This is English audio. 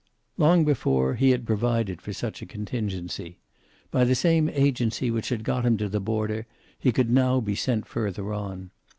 Long before, he had provided for such a contingency. By the same agency which had got him to the border, he could now be sent further on.